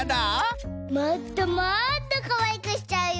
もっともっとかわいくしちゃうよ！